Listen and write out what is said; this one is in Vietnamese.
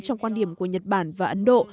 trong quan điểm của nhật bản và ấn độ